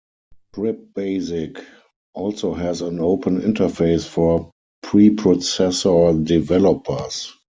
ScriptBasic also has an open interface for preprocessor developers.